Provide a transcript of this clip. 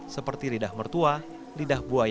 seperti lidah mertua lidah buaya sirigading dan paku pakuan